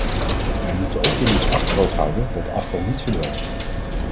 Wij moeten ook in ons achterhoofd houden dat afval niet verdwijnt.